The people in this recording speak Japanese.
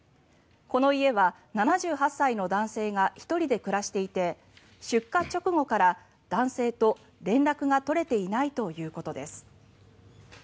この家は７８歳の男性が１人で暮らしていて出火直後から男性と連絡が取れていないということです。